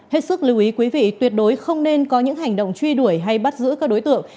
hết sức lưu ý quý vị tuyệt đối không nên có những hành động truy đuổi hay bắt giữ các đối tượng